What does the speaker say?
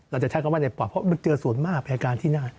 จะใช้คำว่าในปอดเพราะมันเจอส่วนมากในการที่หน้า